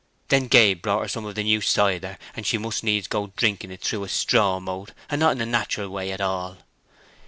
Then Gabe brought her some of the new cider, and she must needs go drinking it through a strawmote, and not in a nateral way at all.